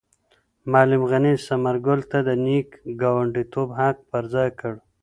معلم غني ثمر ګل ته د نېک ګاونډیتوب حق په ځای کړ.